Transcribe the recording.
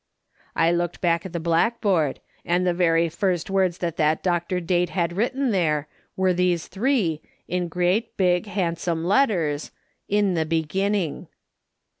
" I looked back at the blackboard, and the very first words that that Dr. Date had written there were these three, in great, big, handsome letters :' In the heginning.'